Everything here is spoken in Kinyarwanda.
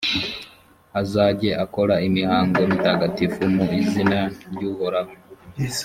azajye akora imihango mitagatifu mu izina ry’uhoraho